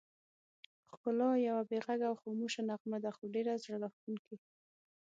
ښکلا یوه بې غږه او خاموشه نغمه ده، خو ډېره زړه راښکونکې.